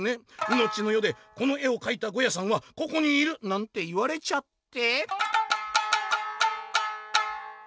のちのよでこの絵を描いたゴヤさんはここにいる！なんて言われちゃって」。